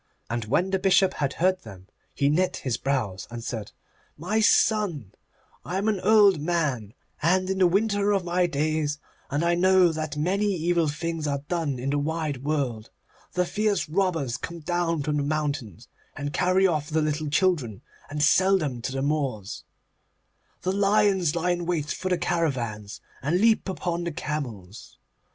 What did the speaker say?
And when the Bishop had heard them he knit his brows, and said, 'My son, I am an old man, and in the winter of my days, and I know that many evil things are done in the wide world. The fierce robbers come down from the mountains, and carry off the little children, and sell them to the Moors. The lions lie in wait for the caravans, and leap upon the camels.